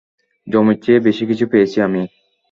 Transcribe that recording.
জমির চেয়ে বেশি কিছু পেয়েছি আমি।